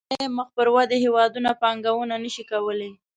ډېری مخ پر ودې هېوادونه پانګونه نه شي کولای.